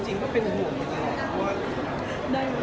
ก็จริงก็เป็นหัวเลย